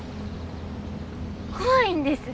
怖いんです。